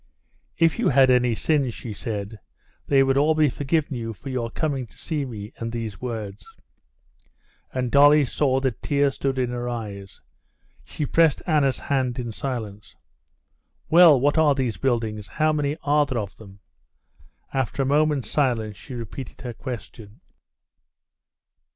"If you had any sins," she said, "they would all be forgiven you for your coming to see me and these words." And Dolly saw that tears stood in her eyes. She pressed Anna's hand in silence. "Well, what are these buildings? How many there are of them!" After a moment's silence she repeated her question.